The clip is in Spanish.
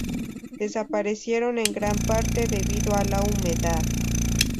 Desaparecieron en gran parte debido a la humedad.